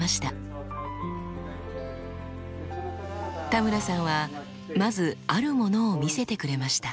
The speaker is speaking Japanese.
田村さんはまずあるものを見せてくれました。